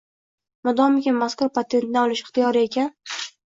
Modomiki, mazkur patentni olish ixtiyoriy ekan